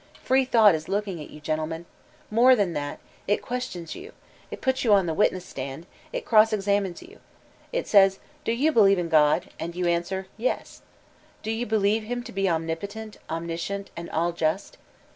Freethougfat is looking at you, gentlemen I — more than that, it questions you, it puts you on the witness stand, it cross examines you. It says, *'Do you believe in God?*' and you answer, Yts.'* ''Do you believe him to be omnipotent, omniscient, and all just?